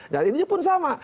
ya ini pun sama